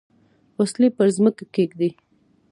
وسلې پر مځکه کښېږدي.